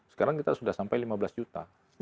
sekarang kita sudah sampai lima belas juta